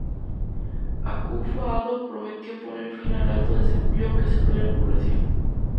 Akufo-Addo prometió poner fin al alto desempleo que sufría la población.